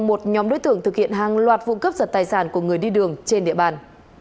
một nhóm đối tượng thực hiện hàng loạt vụ cướp giật tài sản của người đi đường trên địa bàn